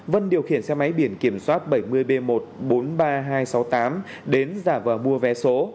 vân điều khiển xe máy biển kiểm soát bảy mươi b một bốn mươi ba nghìn hai trăm sáu mươi tám đến giả vờ mua vé số